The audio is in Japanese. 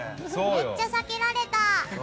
めっちゃ避けられた。